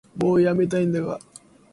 もうやめたいんだが